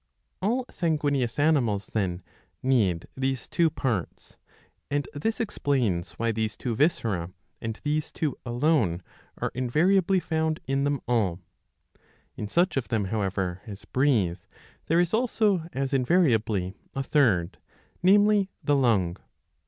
670 a. 78 iii. 7. All sanguineous animals, then, need these two parts ; and this explains why these two viscera, and these two alone, are invariably found in them all. In such of them, however, as breathe, there is also as invariably a third, namely the lung.